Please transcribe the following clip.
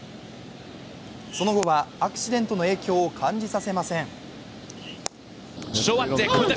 その後はアクシデントの影響を感じさせません。